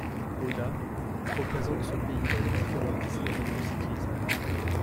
Rodas représente son pays dans les différentes disciplines du cyclisme.